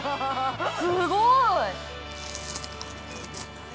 すごい！